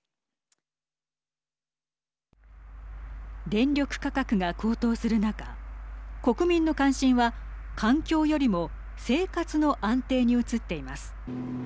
電力価格が高騰する中国民の関心は環境よりも生活の安定に移っています。